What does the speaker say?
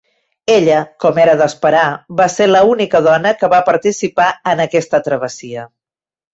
Ella, com era d'esperar, va ser l'única dona que va participar en aquesta travessia.